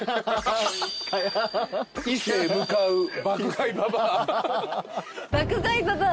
伊勢へ向かう爆買いババア。